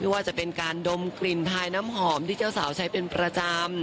ว่าจะเป็นการดมกลิ่นทายน้ำหอมที่เจ้าสาวใช้เป็นประจำ